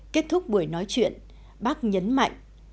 kết thúc buổi nói chuyện bác nhấn mạnh